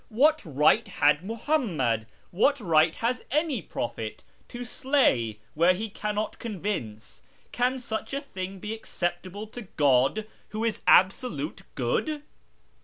What right had Muhammad — what right has any prophet — to slay where he cannot con vince ? Can such a thing be acceptable to God, who is Absolute Good